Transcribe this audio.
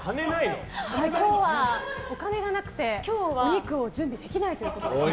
今日はお金がなくてお肉を準備できないということでした。